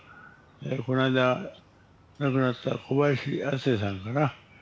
この間亡くなった小林亜星さんかな。